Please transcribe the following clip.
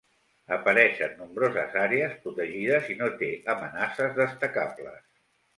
Apareix en nombroses àrees protegides i no té amenaces destacables.